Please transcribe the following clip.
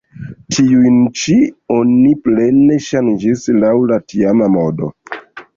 Tiujn ĉi oni plene ŝanĝis laŭ la tiama modo.